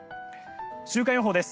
週間予報です。